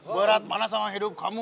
berat mana sama hidup kamu